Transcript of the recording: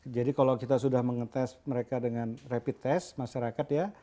kalau kita sudah mengetes mereka dengan rapid test masyarakat ya